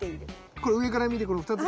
これ上から見てこの２つ。